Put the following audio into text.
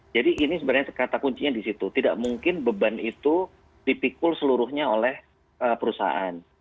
ini sebenarnya kata kuncinya di situ tidak mungkin beban itu dipikul seluruhnya oleh perusahaan